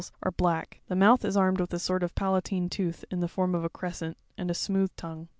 22, st), are .black; the mouth is armed with a sort of palatine tooth in the form of a crescent, and a smooth tongue.